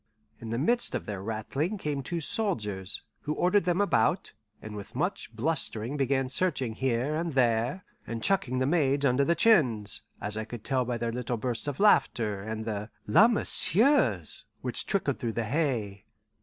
In the midst of their rattling came two soldiers, who ordered them about, and with much blustering began searching here and there, and chucking the maids under the chins, as I could tell by their little bursts of laughter, and the "La M'sieu's!" which trickled through the hay.